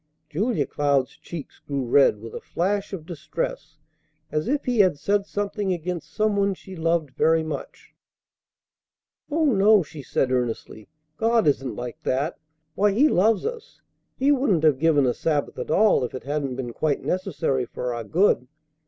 Julia Cloud's cheeks grew red with a flash of distress as if he had said something against some one she loved very much. "Oh, no!" she said earnestly. "God isn't like that. Why, He loves us! He wouldn't have given a Sabbath at all if it hadn't been quite necessary for our good.